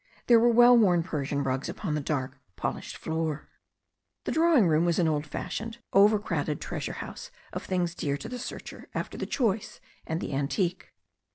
There were well worn Persian rugs upon the dark, polished floor. The drawing room was an old fashioned, over crowded treasure house of things dear to the searcher after the choice and the antique.